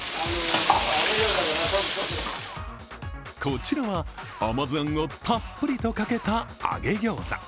こちらは甘酢あんをたっぷりとかけた揚げ餃子。